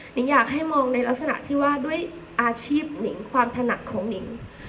ิงอยากให้มองในลักษณะที่ว่าด้วยอาชีพหนิงความถนัดของหนิง